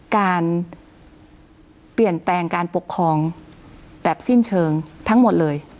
การเปลี่ยนแปลงการปกครองแบบสิ้นเชิงทั้งหมดเลย